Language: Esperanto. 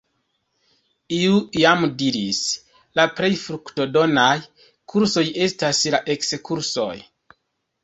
Iu iam diris: ”La plej fruktodonaj kursoj estas la ekskursoj”.